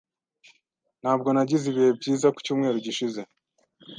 Ntabwo nagize ibihe byiza ku cyumweru gishize.